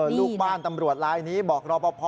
ลูกบ้านตำรวจลายนี้บอกรอปภ